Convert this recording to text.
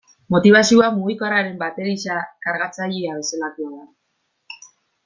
Motibazioa mugikorraren bateria kargatzailea bezalakoa da.